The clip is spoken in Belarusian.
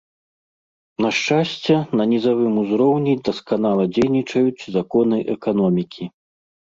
На шчасце, на нізавым узроўні дасканала дзейнічаюць законы эканомікі.